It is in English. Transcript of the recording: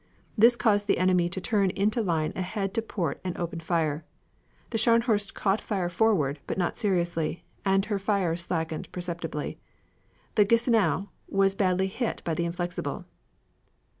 This caused the enemy to turn into line ahead to port and open fire. The Scharnhorst caught fire forward, but not seriously, and her fire slackened perceptibly. The Gneisenau was badly hit by the Inflexible.